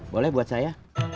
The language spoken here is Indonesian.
boleh buat saya